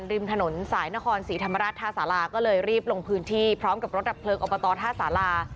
ริมถนนสายนครศรีธรรมราชท่าสาราก็เลยรีบลงพื้นที่พร้อมกับรถดับเพลิงอบตท่าสารา